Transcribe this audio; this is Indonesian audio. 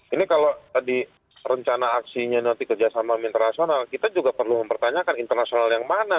ini kalau tadi rencana aksinya nanti kerjasama internasional kita juga perlu mempertanyakan internasional yang mana